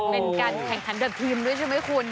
เป็นการแข่งขันแบบทีมด้วยใช่ไหมคุณ